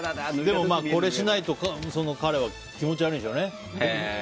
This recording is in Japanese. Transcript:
これしないと彼は気持ち悪いんでしょうね。